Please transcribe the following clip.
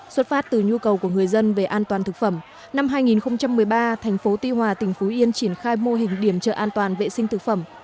xuất phát từ nhu cầu của người dân về an toàn thực phẩm năm hai nghìn một mươi ba thành phố tuy hòa tỉnh phú yên triển khai mô hình điểm chợ an toàn vệ sinh thực phẩm